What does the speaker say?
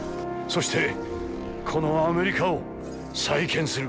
そしてこのアメリカを再建する！